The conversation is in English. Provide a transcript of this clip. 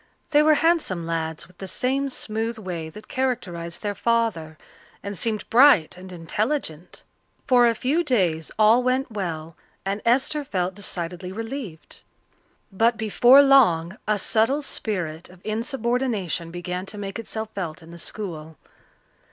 They were handsome lads, with the same smooth way that characterized their father, and seemed bright and intelligent. For a few days all went well, and Esther felt decidedly relieved. But before long a subtle spirit of insubordination began to make itself felt in the school.